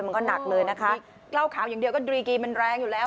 มันก็หนักเลยนะคะกล้าวขาวอย่างเดียวก็ดรีกีมันแรงอยู่แล้ว